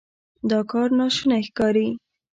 دا کار ناشونی ښکاري.